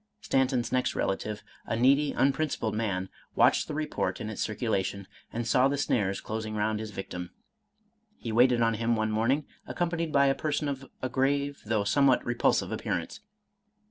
Stanton's next relative, a needy unprincipled man, watched the report in its circula tion, and saw the snares closing round his victim. He waited on him one morning, accompanied by a person of a grave, though somewhat repulsive appearance.